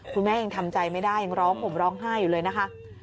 แม่ยังทำใจไม่ได้ยังร้องผมร้องไห้อยู่เลยนะคะ